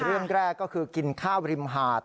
เรื่องแรกก็คือกินข้าวริมหาด